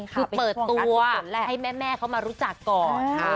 คือเปิดตัวให้แม่เขามารู้จักก่อน